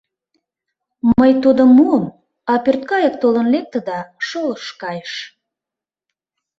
Мый тудым муым, а пӧрткайык толын лекте да шолышт кайыш.